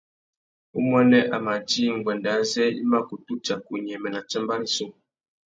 Umuênê a mà djï nguêndê azê i mà kutu tsaka unyêmê nà tsámbá rissú.